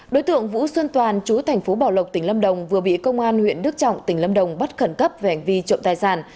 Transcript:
đối tượng vũ xuân toàn chú thành phố bảo lộc tỉnh lâm đồng vừa bị công an huyện đức trọng tỉnh lâm đồng bắt khẩn cấp về hành vi trộm tài sản